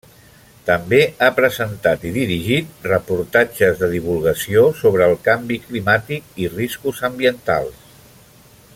També ha presentat i dirigit reportatges de divulgació sobre el canvi climàtic i riscos ambientals.